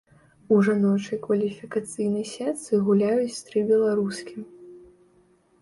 У жаночай кваліфікацыйнай сетцы гуляюць тры беларускі.